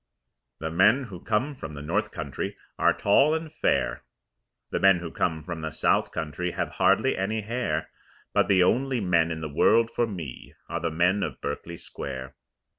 The men who come from the north country Are tall and very fair, The men who come from the south country Have hardly any hair, But the only men in the world for me Are the men of Berkeley Square.